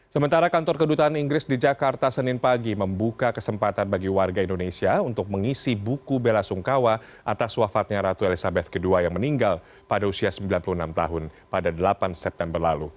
sementara kantor kedutaan inggris di jakarta senin pagi membuka kesempatan bagi warga indonesia untuk mengisi buku bella sungkawa atas wafatnya ratu elizabeth ii yang meninggal pada usia sembilan puluh enam tahun pada delapan september lalu